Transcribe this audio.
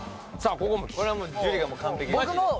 ここも岸これは樹が完璧です